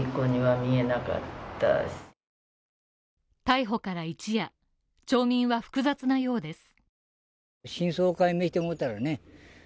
逮捕から一夜、町民は複雑なようです。